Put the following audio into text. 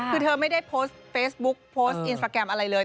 คือเธอไม่ได้โพสต์เฟซบุ๊กโพสต์อินสตราแกรมอะไรเลย